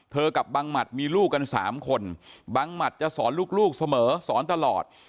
กับบังหมัดมีลูกกัน๓คนบังหมัดจะสอนลูกเสมอสอนตลอด